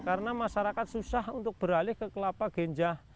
karena masyarakat susah untuk beralih ke kelapa ganja